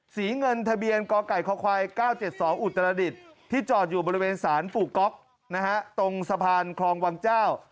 เงินทะเบียนกไก่คค๙๗๒อุตรดิษฐ์ที่จอดอยู่บริเวณศาลปู่ก๊อกนะฮะตรงสะพานคลองวังเจ้า